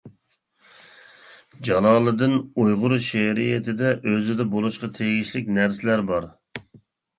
جالالىدىن: ئۇيغۇر شېئىرىيىتىدە ئۆزىدە بولۇشقا تېگىشلىك نەرسىلەر بار.